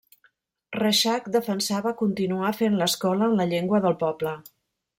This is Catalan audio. Reixac defensava continuar fent l'escola en la llengua del poble.